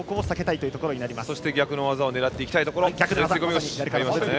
そして逆の技を狙っていきたいところ。